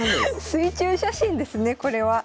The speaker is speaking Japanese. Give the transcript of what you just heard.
水中写真ですねこれは。